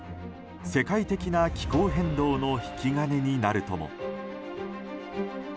世界的な気候変動の引き金になるとも。